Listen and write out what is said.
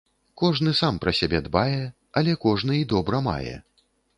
Кожны сам пра сябе дбае, але кожны й добра мае.